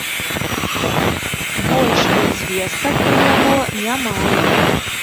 Больш звестак пра яго не маем.